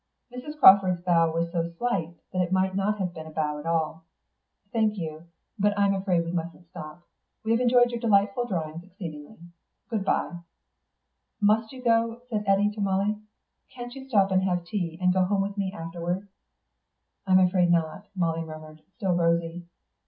Mrs. Crawford's bow was so slight that it might have been not a bow at all. "Thank you, but I'm afraid we mustn't stop. We have enjoyed your delightful drawings exceedingly. Goodbye." "Must you both go?" said Eddy to Molly. "Can't you stop and have tea and go home with me afterwards?" "I'm afraid not," Molly murmured, still rosy.